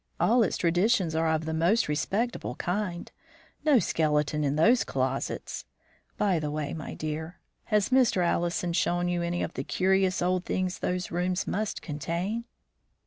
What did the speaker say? All its traditions are of the most respectable kind; no skeleton in those closets! By the way, my dear, has Mr. Allison shown you any of the curious old things those rooms must contain?"